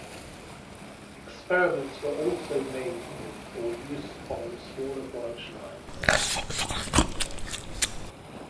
Experiments were also made with for use on smaller branch lines.